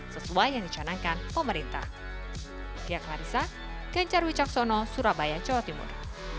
sesuai yang dicanangkan pemerintah